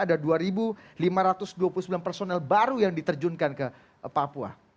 ada dua lima ratus dua puluh sembilan personel baru yang diterjunkan ke papua